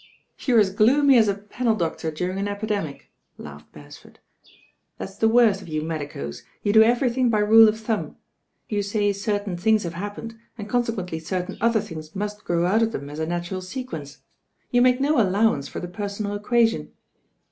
"You're as gloomy as a panel doctor during an qjidemic," laughed Beresford. That's the worst of you medicos, you do everything by rule^of thumb. You say certain things have happened and conse quently certain other things must grow out of them as a natural sequence. You make no allowance for the personal equation."